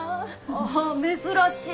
あ珍しい！